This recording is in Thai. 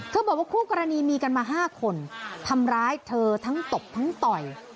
บอกว่าคู่กรณีมีกันมา๕คนทำร้ายเธอทั้งตบทั้งต่อย